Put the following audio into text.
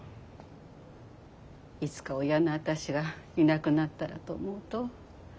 いつか親の私がいなくなったらと思うと。